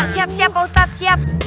siap siap pak ustadz siap